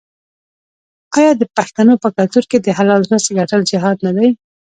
آیا د پښتنو په کلتور کې د حلال رزق ګټل جهاد نه دی؟